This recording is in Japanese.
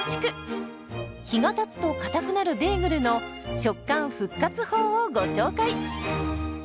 日がたつとかたくなるベーグルの食感復活法をご紹介。